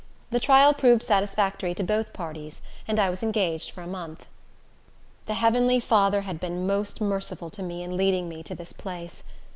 The trial proved satisfactory to both parties, and I was engaged for a month. The heavenly Father had been most merciful to me in leading me to this place.